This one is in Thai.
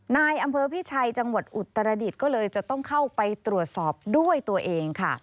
นายอำเภอพิชัยจังหวัดอุตรดิษฐ์ก็เลยจะต้องเข้าไปตรวจสอบด้วยตัวเองค่ะ